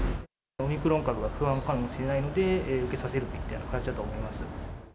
オミクロン株が不安なので受けさせるといったような感じだと思います。